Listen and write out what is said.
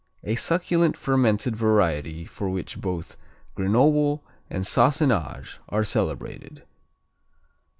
A succulent fermented variety for which both Grenoble and Sassenage are celebrated.